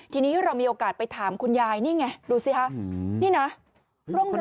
ทีนี้เรามีโอกาสไปถามคุณยายนี่ไงดูสิคะนี่นะ